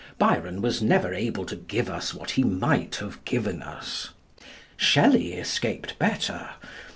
Byron was never able to give us what he might have given us. Shelley escaped better.